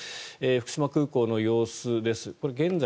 福島空港の様子です。